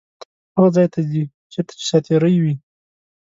هغه ځای ته ځي چیرته چې ساعتېرۍ وي.